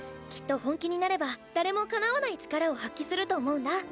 きっと本気になれば誰もかなわない力を発揮すると思うんだ